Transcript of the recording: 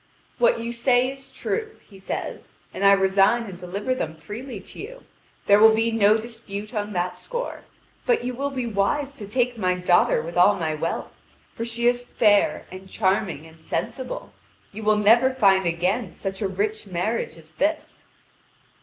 "What you say is true," he says: "and I resign and deliver them freely to you: there will be no dispute on that score. But you will be wise to take my daughter with all my wealth, for she is fair, and charming, and sensible. You will never find again such a rich marriage as this."